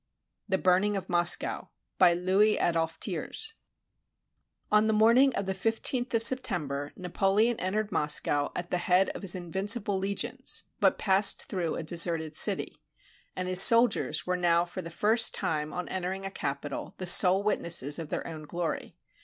THE BURNING OF MOSCOW BY LOUIS ADOLPH THIERS On the morning of the 15th of September, Napoleon en tered Moscow at the head of his invincible legions, but passed through a deserted city; and his soldiers were now for the first time on entering a capital the sole witnesses of their own glory.